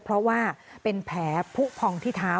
เพราะว่าเป็นแผลผู้พองที่เท้า